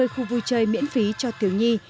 hai mươi khu vui chơi miễn phí cho thiếu nhi